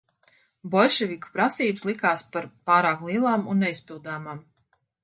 Boļševiku prasības likās par pārāk lielām un neizpildāmām.